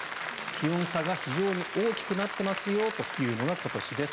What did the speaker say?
気温差が非常に大きくなっていますよというのが今年です。